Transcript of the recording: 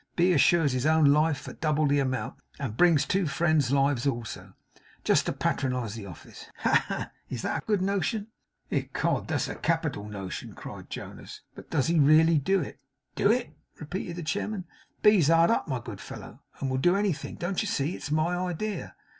B assures his own life for double the amount, and brings two friends' lives also just to patronize the office. Ha ha, ha! Is that a good notion?' 'Ecod, that's a capital notion!' cried Jonas. 'But does he really do it?' 'Do it!' repeated the chairman. 'B's hard up, my good fellow, and will do anything. Don't you see? It's my idea.